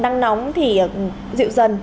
nắng nóng thì dịu dần